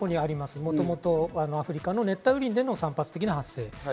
もともとアフリカの熱帯雨林での散発的な発生です。